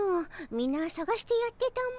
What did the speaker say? みなさがしてやってたも。